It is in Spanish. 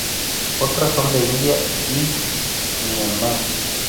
Otras son de India y Myanmar.